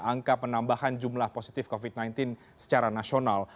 angka penambahan jumlah positif covid sembilan belas secara nasional